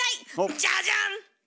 ジャジャン。